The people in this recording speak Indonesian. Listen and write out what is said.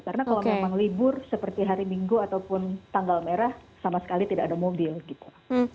karena kalau memang libur seperti hari minggu ataupun tanggal merah sama sekali tidak ada mobil gitu